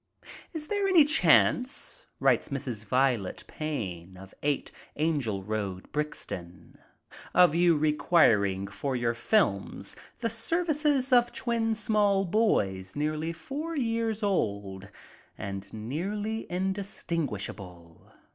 '' Is there any chance," writes Mrs. Violet Pain, of 8 Angell road, Brixton, "of you requiring for your films the services of twin small boys nearly four years old and nearly indis tinguishable?